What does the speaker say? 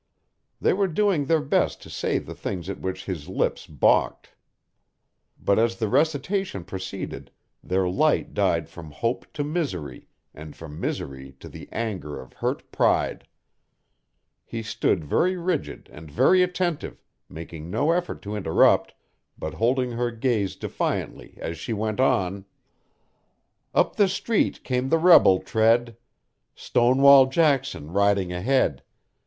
They were doing their best to say the things at which his lips balked. But as the recitation proceeded their light died from hope to misery and from misery to the anger of hurt pride. He stood very rigid and very attentive, making no effort to interrupt, but holding her gaze defiantly as she went on: "Up the street came the Rebel tread, Stonewall Jackson riding ahead.